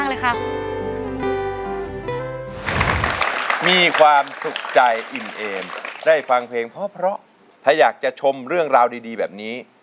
เลือกให้ดี